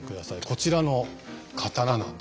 こちらの刀なんですね。